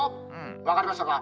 わかりましたか？